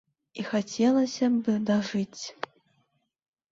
І хацелася б дажыць.